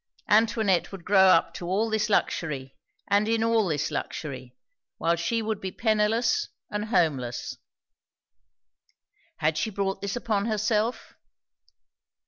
Antoinette would grow up to all this luxury, and in all this luxury; while she would be penniless, and homeless. Had she brought this upon herself?